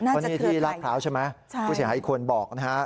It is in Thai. เพราะนี่ที่ลาดพร้าวใช่ไหมผู้เสียหายอีกคนบอกนะฮะ